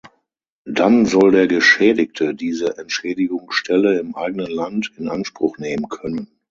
Dann soll der Geschädigte diese Entschädigungsstelle im eigenen Land in Anspruch nehmen können.